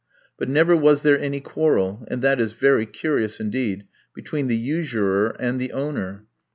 But never was there any quarrel and that is very curious indeed between the usurer and the owner.